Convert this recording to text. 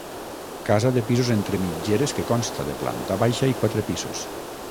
Casa de pisos entre mitgeres que consta de planta baixa i quatre pisos.